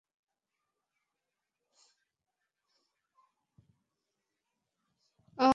আমার গাড়িগুলোকে টেনপিনের মতো উড়িয়ে দিচ্ছে।